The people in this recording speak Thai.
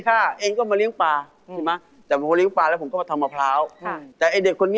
เป็นนี่เขาก็หวังเขาแล้ว